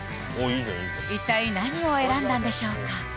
一体何を選んだんでしょうか？